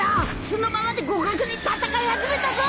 素のままで互角に戦い始めたぞ！